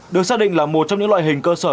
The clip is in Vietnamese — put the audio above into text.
được xác định là một trong những loại hình cơ sở